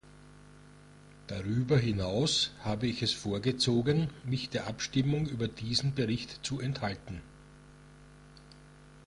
Darüber hinaus habe ich es vorgezogen, mich der Abstimmung über diesen Bericht zu enthalten.